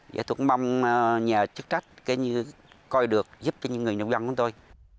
vậy tôi cũng mong nhà chức trách coi được giúp cho những người nông dân của tôi